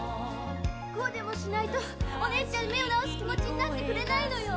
こうでもしないとおねえちゃん目を治す気持ちになってくれないのよ。